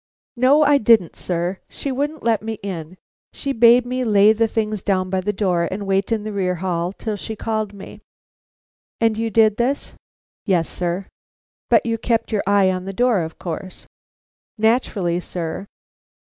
"No, I didn't, sir. She wouldn't let me in. She bade me lay the things down by the door and wait in the rear hall till she called me." "And you did this?" "Yes, sir." "But you kept your eye on the door, of course?" "Naturally, sir."